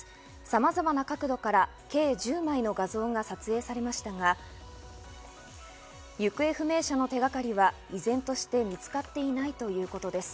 さまざまな角度から計１０枚の画像が撮影されましたが、行方不明者の手掛かりは依然として見つかっていないということです。